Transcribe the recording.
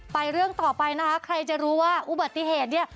เรื่องต่อไปนะคะใครจะรู้ว่าอุบัติเหตุเนี่ย